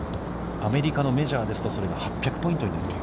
アメリカのメジャーですと、それが８００ポイントになるという。